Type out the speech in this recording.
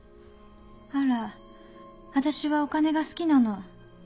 あら私はお金が好きなの。